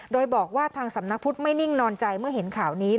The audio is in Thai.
โดยบอกว่าทางสำนักพุทธไม่นิ่งนอนใจเมื่อเห็นข่าวนี้